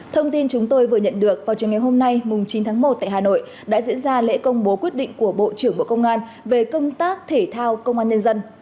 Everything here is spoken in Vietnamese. thông tin chúng tôi vừa nhận được vào trường ngày hôm nay chín tháng một tại hà nội đã diễn ra lễ công bố quyết định của bộ trưởng bộ công an về công tác thể thao công an nhân dân